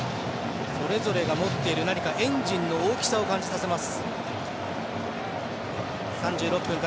それぞれが持っているエンジンの大きさを感じさせます。